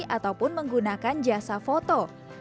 ataupun menggunakan jasa foto